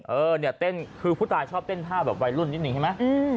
เออเนี่ยเต้นคือผู้ตายชอบเต้นท่าแบบวัยรุ่นนิดนึงใช่ไหม